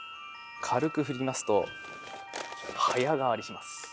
軽く振りますと早替りします。